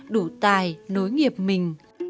đủ tài nối nghiệp mình